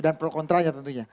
dan pro kontra nya tentunya